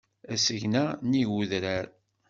Asegna nnig udrar.